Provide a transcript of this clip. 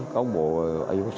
có một bộ y bác sĩ